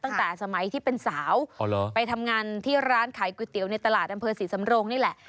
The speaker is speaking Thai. ตั้งแต่สมัยที่เป็นสาวไปทำงานที่ร้านขายก๋วยเตี๋ยวในตลาดอำเภอศรีสำรงนี่แหละ